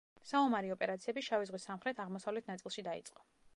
საომარი ოპერაციები შავი ზღვის სამხრეთ-აღმოსავლეთ ნაწილში დაიწყო.